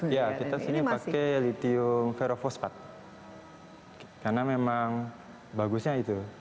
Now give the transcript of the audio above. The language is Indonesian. ya kita sini pakai lithium ferofospat karena memang bagusnya itu